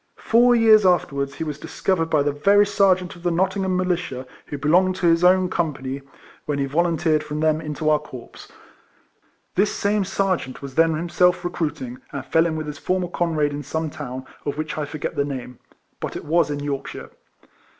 Four years afterwards he was discovered by the very sergeant of the Nottingham Militia who belonged to his own company when he volunteered from them into our corps. This same sergeant was then himself re cruiting, and fell in with his former comrade il6 RECOLLECTIONS OF in some town, of wliich I forget the name ; but it was in Yorkshire.